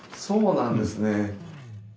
そうなんですね。